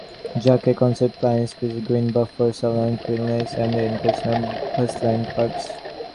Jacka's concept plan specifies green buffers along creeklines, and the inclusion of bushland parks.